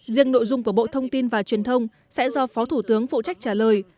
riêng nội dung của bộ thông tin và truyền thông sẽ do phó thủ tướng phụ trách trả lời